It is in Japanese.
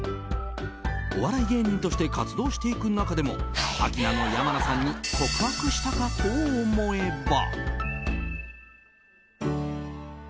お笑い芸人として活動していく中でもアキナの山名さんに告白したかと思えば。